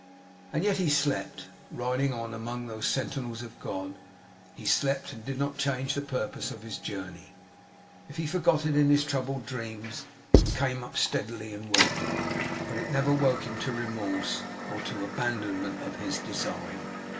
And yet he slept. Riding on among those sentinels of God, he slept, and did not change the purpose of his journey. If he forgot it in his troubled dreams, it came up steadily, and woke him. But it never woke him to remorse, or to abandonment of his design.